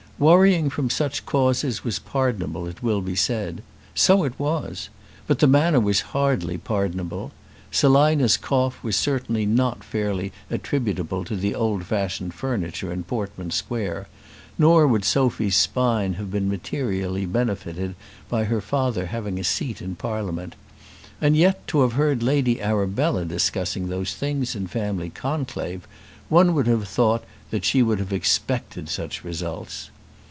Worrying from such causes was pardonable it will be said. So it was; but the manner was hardly pardonable. Selina's cough was certainly not fairly attributable to the old fashioned furniture in Portman Square; nor would Sophy's spine have been materially benefited by her father having a seat in Parliament; and yet, to have heard Lady Arabella discussing those matters in family conclave, one would have thought that she would have expected such results.